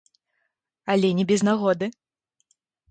Але не без нагоды.